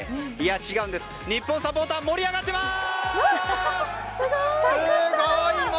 違うんです、日本サポーター盛り上がっています。